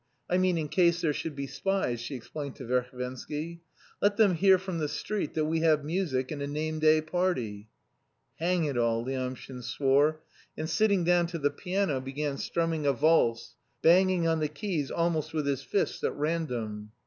I mean in case there should be spies," she explained to Verhovensky. "Let them hear from the street that we have music and a name day party." "Hang it all!" Lyamshin swore, and sitting down to the piano, began strumming a valse, banging on the keys almost with his fists, at random.